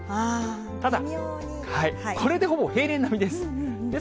ただ、これでほぼ平年並みです。